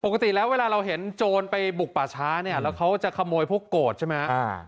ปกติแล้วเวลาเราเห็นโจรไปบุกป่าช้าเนี่ยแล้วเขาจะขโมยพวกโกรธใช่ไหมครับ